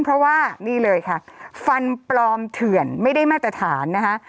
เพราะว่านี่เลยค่ะฟันปลอมเถื่อนไม่ได้มาตรฐานนะคะ